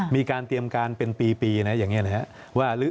มีการเตรียมการเป็นปีนะอย่างนี้นะครับ